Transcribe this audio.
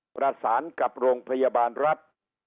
ประสานกับโรงพยาบาลรัฐ